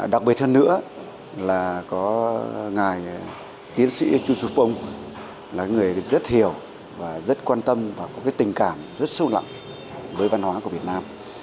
đặc biệt hơn nữa là có ngài tiến sĩ chu suu phong là người rất hiểu và rất quan tâm và có tình cảm rất sâu lặng với văn hóa của việt nam